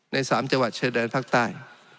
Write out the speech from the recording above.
ใน๓จังหวัดชายแดนภาคใต้